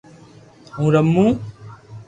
ھون رمو